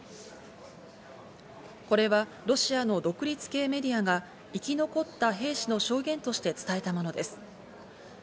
これはロシアの独立系メディアが生き残った兵士の証言として伝えたものです。